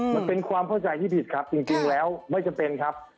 มันเป็นความเข้าใจที่ผิดครับจริงแล้วไม่จำเป็นครับ